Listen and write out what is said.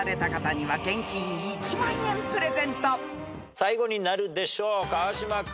最後になるでしょう川島君。